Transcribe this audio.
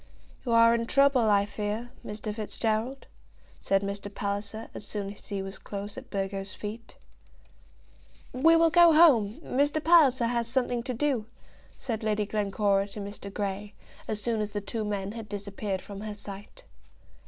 "You are in trouble, I fear, Mr. Fitzgerald," said Mr. Palliser, as soon as he was close at Burgo's feet. "We will go home. Mr. Palliser has something to do," said Lady Glencora to Mr. Grey, as soon as the two men had disappeared from her sight.